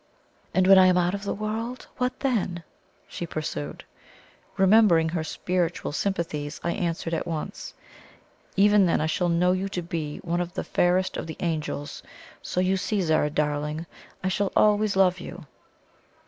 "And when I am out of the world what then?" she pursued. Remembering her spiritual sympathies, I answered at once: "Even then I shall know you to be one of the fairest of the angels. So you see, Zara darling, I shall always love you."